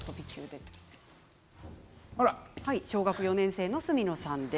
小学４年生の角野さんです。